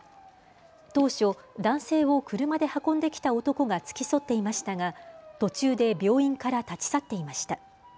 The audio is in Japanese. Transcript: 当初、男性を車で運んできた男が付き添っていましたが途中で病院から立ち去っていました。